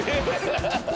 ハハハハ！